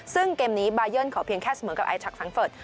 ซึ่งเกมนี้บาร์เยิ้นเขาเพียงแค่เสมอกับไอทักฟรังเฟิร์ต